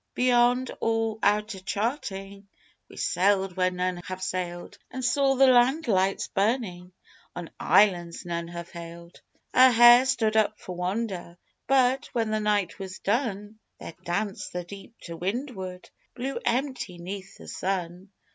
Beyond all outer charting We sailed where none have sailed, And saw the land lights burning On islands none have hailed; Our hair stood up for wonder, But, when the night was done, There danced the deep to windward Blue empty 'neath the sun!